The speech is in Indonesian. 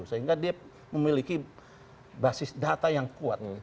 sehingga dia memiliki basis data yang kuat